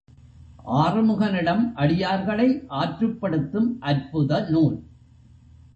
ஆறுமுகனிடம் அடியார்களை ஆற்றுப்படுத்தும் அற்புத நூல்.